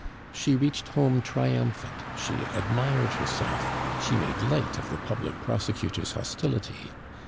She reached home triumphant; she admired herself, she made light of the public prosecutor's hostility.